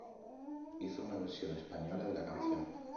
Hizo una versión española de la canción.